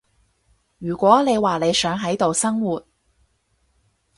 如果你話你想喺度生活